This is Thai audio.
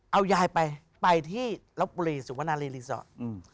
เอายายไปไปที่ลบบุรีสุวนารีรีสอร์ท